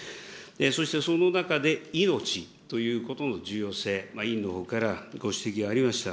そしてその中で命ということの重要性、委員のほうからご指摘ありました。